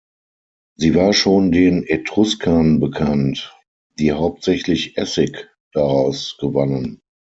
Sie war schon den Etruskern bekannt, die hauptsächlich Essig daraus gewannen.